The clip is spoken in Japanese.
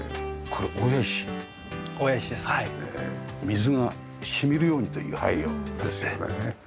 水が染みるようにという配慮ですよね。